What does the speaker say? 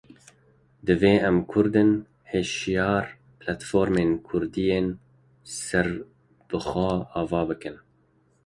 Divê em Kurdên hişyar platformen Kurdî yên serbixwe ava bikin